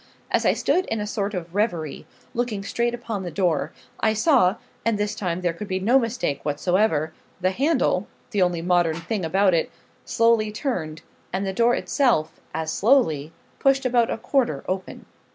As I stood in a sort of reverie, looking straight upon the door, I saw and this time there could be no mistake whatsoever the handle the only modern thing about it slowly turned, and the door itself as slowly pushed about a quarter open.